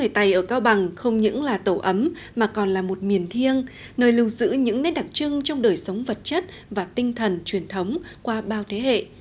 tàu ấm mà còn là một miền thiêng nơi lưu giữ những nét đặc trưng trong đời sống vật chất và tinh thần truyền thống qua bao thế hệ